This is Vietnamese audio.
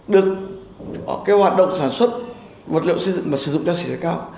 được hoạt động sản xuất vật liệu xây dựng và sử dụng các sản phẩm cao